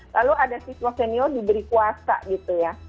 lalu ada siswa senior diberi kuasa gitu ya